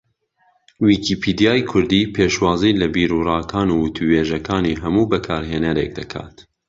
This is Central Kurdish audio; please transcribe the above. ویکیپیدیای کوردی پێشوازی لە بیروڕاکان و وتووێژەکانی ھەموو بەکارھێنەرێک دەکات